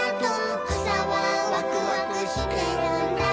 「くさはワクワクしてるんだ」